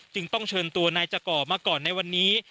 จึงต้องเชิญตัวนายจักร่อมาก่อนในวันนี้